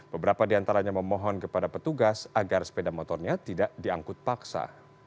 beberapa di antaranya memohon kepada petugas agar sepeda motornya tidak diangkut paksa